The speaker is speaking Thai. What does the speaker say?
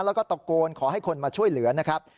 แล้วก็ตะโกนขอให้คนมาช่วยเหลือนะครับ